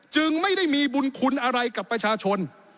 จึงไม่ได้มีบุญคุณอะไรกับประชาชน